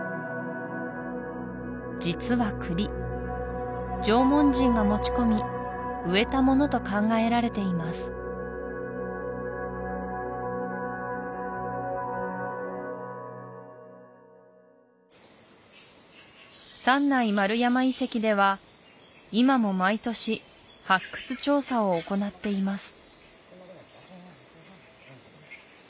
実はクリ縄文人が持ち込み植えたものと考えられています三内丸山遺跡では今も毎年発掘調査を行っています